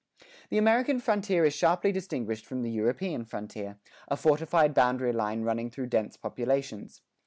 The American frontier is sharply distinguished from the European frontier a fortified boundary line running through dense populations.